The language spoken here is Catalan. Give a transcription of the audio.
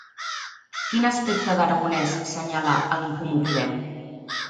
Quin aspecte d'Aragonès assenyala En Comú Podem?